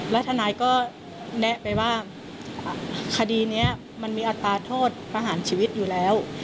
และทนายก็แนะไปว่าคดีนี้มันมีอัตราโทษประหารชีวิตอยู่แล้ว